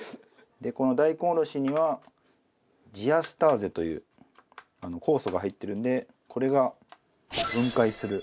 でこの大根おろしにはジアスターゼという酵素が入ってるのでこれが分解する。